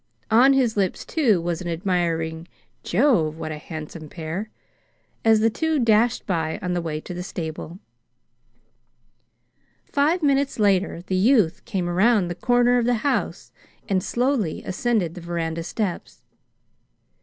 On his lips, too, was an admiring "Jove! what a handsome pair!" as the two dashed by on the way to the stable. Five minutes later the youth came around the corner of the house and slowly ascended the veranda steps.